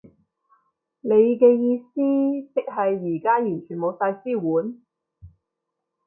你嘅意思即係而家完全冇晒支援？